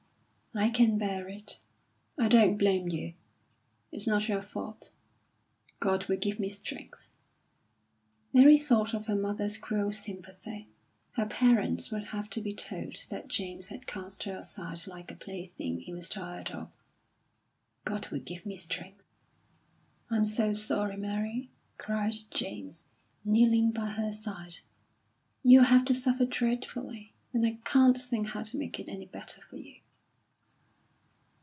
"I can bear it. I don't blame you. It's not your fault. God will give me strength." Mary thought of her mother's cruel sympathy. Her parents would have to be told that James had cast her aside like a plaything he was tired of. "God will give me strength." "I'm so sorry, Mary," cried James, kneeling by her side. "You'll have to suffer dreadfully; and I can't think how to make it any better for you."